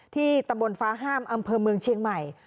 ที่ตำบลฟ้าห้ามอำเภอเมืองเชียงใหม่